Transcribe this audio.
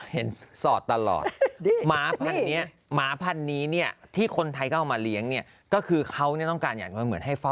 หนะเนี๊ยท์เวลาเลี้ยงต้องต้องระวังเหมือนกันนะ